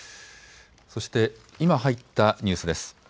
そして今入ったニュースです。